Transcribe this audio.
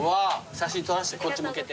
写真撮らせてこっち向けて。